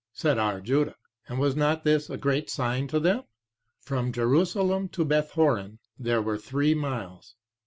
Said R. Judah, "and was not this a great sign to them? from Jerusalem to Bethhoron 3 there were three miles.